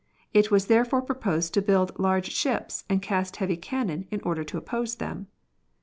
It was therefore proposed to build large ships and cast heavy cannon in order to oppose them.